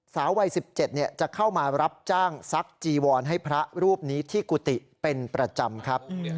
สาววัย๑๗จะเข้ามารับจ้างซักจีวรให้พระรูปนี้ที่กุฏิเป็นประจำครับ